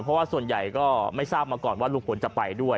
เพราะว่าส่วนใหญ่ก็ไม่ทราบมาก่อนว่าลุงพลจะไปด้วย